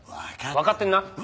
分かってんな？